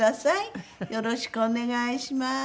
よろしくお願いします。